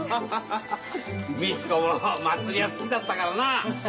みつ子も祭りが好きだったからな。